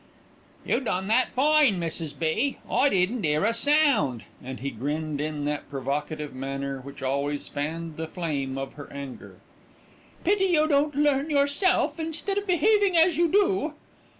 "You done that fine, Mrs. B. I didn't 'ear a sound," and he grinned in that provocative manner which always fanned the flame of her anger. "Pity you don't learn yourself, instead of behaving as you do."